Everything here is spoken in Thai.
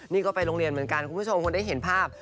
นี่ก็ไปโรงเรียนเหมือนกันคุณผู้ชมคนได้เห็นภาพ